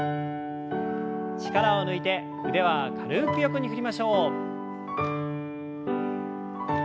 力を抜いて腕は軽く横に振りましょう。